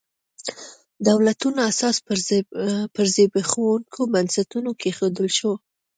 دولتونو اساس پر زبېښونکو بنسټونو کېښودل شو.